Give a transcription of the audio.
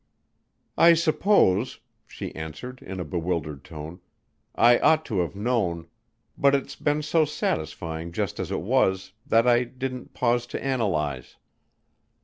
"I suppose," she answered in a bewildered tone, "I ought to have known. But it's been so satisfying just as it was that I didn't pause to analyze."